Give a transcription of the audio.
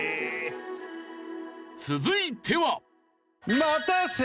続いては。